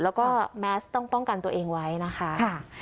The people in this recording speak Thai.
แล้วก็แมสต้องป้องกันตัวเองไว้นะคะ